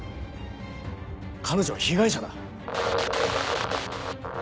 彼女は被害者だ。